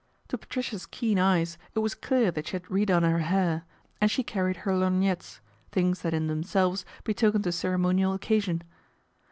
To Patricia's keen eyes it was clear that she had re done her hair, and she carried her lorgnettes, things that in them' selves betokened a ceremonial occasion.